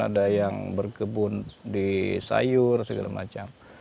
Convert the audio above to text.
ada yang berkebun di sayur segala macam